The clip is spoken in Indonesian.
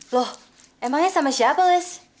loh emangnya sama siapa mas